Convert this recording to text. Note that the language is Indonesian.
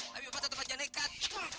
tapi bapak tetap aja nekat